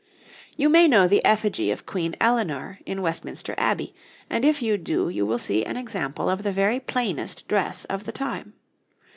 You may know the effigy of Queen Eleanor in Westminster Abbey, and if you do, you will see an example of the very plainest dress of the time.